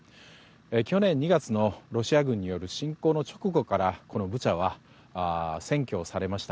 去年２月のロシア軍による侵攻の直後からブチャは占拠されました。